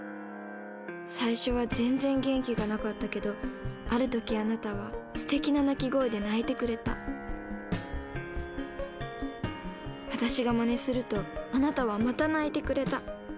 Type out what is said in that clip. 最初は全然元気がなかったけどある時あなたはすてきな鳴き声で鳴いてくれた私がまねするとあなたはまた鳴いてくれた。